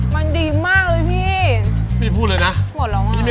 ครู๊ม้าพัดต้นหอม